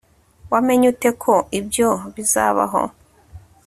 Wamenye ute ko ibyo bizabaho